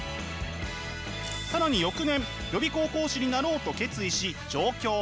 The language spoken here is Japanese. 更に翌年予備校講師になろうと決意し上京。